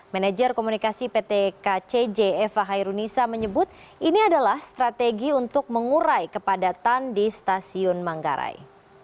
manager komunikasi pt kcj eva hairunisa menyebut ini adalah strategi untuk mengurai kepadatan di stasiun manggarai